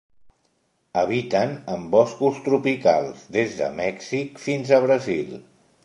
Habiten en boscos tropicals, des de Mèxic fins a Brasil.